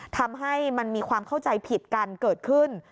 ทำให้มันมีความเข้าใจผิดกันเกิดขึ้น